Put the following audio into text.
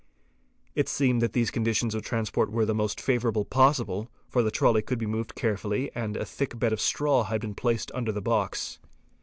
It seemed that these conditions of | 4 transport were the most favourable possible, for the trolly could be moved * carefully and a thick bed of straw had been placed under the box.